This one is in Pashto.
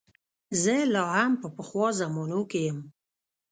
زه لا هم په پخوا زمانو کې یم.